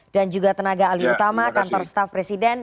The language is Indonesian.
dan juga tenaga alih utama kantor staf presiden